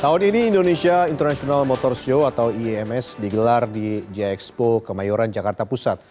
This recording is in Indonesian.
tahun ini indonesia international motor show atau iems digelar di jxpo kemayoran jakarta pusat